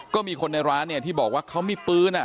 ก็มีคนในร้านเนี่ยที่บอกว่าเขามีปืน